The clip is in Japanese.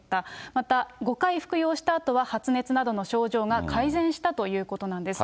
また、５回服用したあとは、発熱などの症状が改善したということなんです。